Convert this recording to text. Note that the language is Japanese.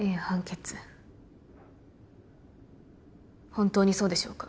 本当にそうでしょうか？